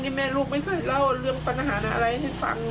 นี่แม่ลูกไม่เคยเล่าเรื่องปัญหาอะไรให้ฟัง